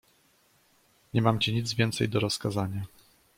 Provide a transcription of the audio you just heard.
"Nie mam ci więcej nic do rozkazania."